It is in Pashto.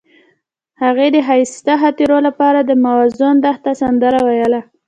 هغې د ښایسته خاطرو لپاره د موزون دښته سندره ویله.